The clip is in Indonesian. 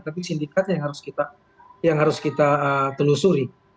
tapi sindikatnya yang harus kita telusuri